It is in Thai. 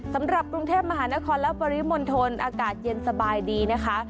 สำหรับกรุงเทพมหานครและปริมณฑลอากาศเย็นสบายดีนะคะ